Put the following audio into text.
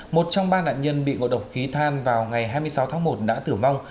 một trong ba nạn nhân bị ngộ độc khí than vào ngày hai mươi sáu tháng một đã tử vong